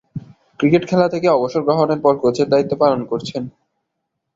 Cricket খেলা থেকে অবসর গ্রহণের পর কোচের দায়িত্ব পালন করছেন।